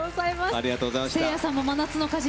せいやさんも「真夏の果実」